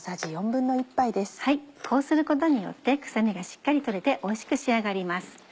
こうすることによって臭みがしっかり取れておいしく仕上がります。